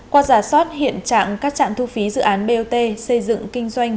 qua giả soát hiện trạng các trạm thu phí dự án bot xây dựng kinh doanh